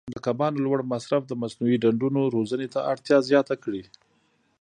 د کبانو لوړ مصرف د مصنوعي ډنډونو روزنې ته اړتیا زیاته کړې.